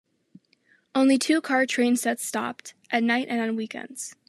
Only two car train sets stopped, at night and on weekends.